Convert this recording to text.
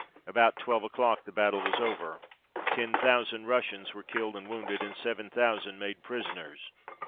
About twelve o'clock the battle was over. Ten thousand Russians were killed and wounded, and seven thousand made prisoners.